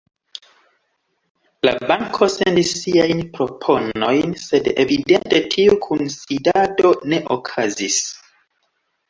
La banko sendis siajn proponojn, sed evidente tiu kunsidado ne okazis.